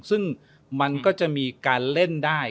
ซึ่งมันก็จะมีการเล่นได้